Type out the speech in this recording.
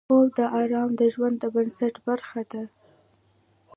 خوب د آرام د ژوند د بنسټ برخه ده